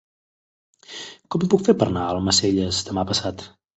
Com ho puc fer per anar a Almacelles demà passat?